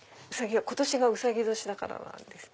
今年うさぎ年だからですね